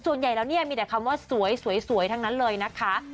ส่วนใหญ่แล้วเนี่ยมีแต่คำว่าสวยทั้งนั้นเลยนะคะ